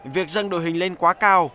việc dâng đội hình lên quá cao